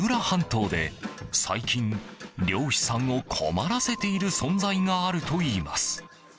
半島で最近漁師さんを困らせている存在があるといいます。